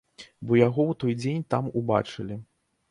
Бо яго ў той дзень там убачылі.